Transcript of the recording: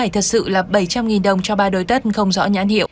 tự lập bảy trăm linh đồng cho ba đồi tất không rõ nhãn hiệu